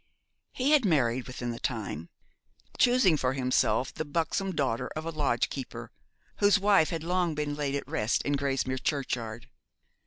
He had married within the time, choosing for himself the buxom daughter of a lodgekeeper, whose wife had long been laid at rest in Grasmere churchyard.